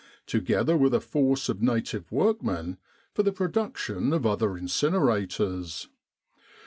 together with a force of native workmen, for the production of other incinerators.